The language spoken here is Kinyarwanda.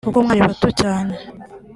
kuko mwari bato cyane